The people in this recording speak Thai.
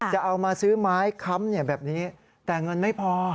จะเอามาซื้อไม้ค้ำแบบนี้แต่เงินไม่พอ